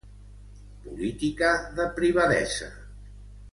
Política de privadesa.